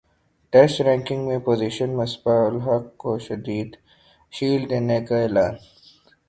test ranking میں position Misbah ul Haq کو shield دینے کا اعلان